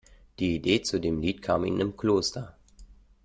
Die Idee zu dem Lied kam ihm im Kloster.